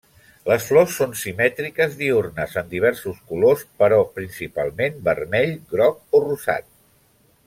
Les flors són simètriques, diürnes, en diversos colors, però principalment vermell, groc o rosat.